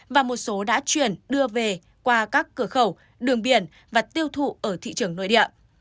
và một số đã chuyển đưa về qua các cửa khẩu đường biển và tiêu thụ ở thị trường nội địa